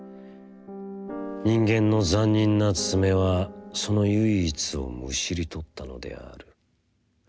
人間の残忍な爪はその唯一をむしりとったのである。